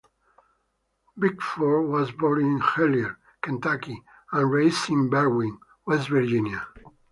Bickford was born in Hellier, Kentucky and raised in Berwind, West Virginia.